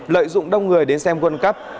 lợi dụng đông người đến xem quân cấp